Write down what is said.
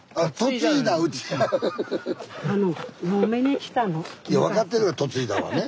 いや分かってる「嫁いだ」はね。